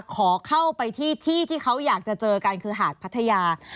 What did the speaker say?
ขอเข้าไปที่ที่เขาอยากจะเจอกันคือหาดพัทยา